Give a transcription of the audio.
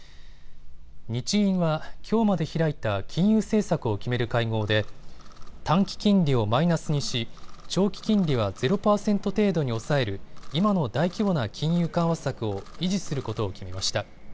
日銀は、きょうまで開いた金融政策を決める会合で短期金利をマイナスにし長期金利は０％程度に抑える今の大規模な金融緩和策を維持することを決めました。